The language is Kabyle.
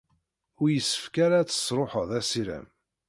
Ur yessefk ara ad tesṛuḥed assirem.